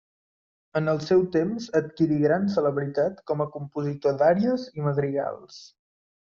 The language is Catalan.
En el seu temps adquirí gran celebritat com a compositor d'àries i madrigals.